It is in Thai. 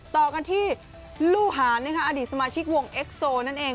ต่อกันที่ลูหารอดีตสมาชิกวงเอ็กโซนั่นเอง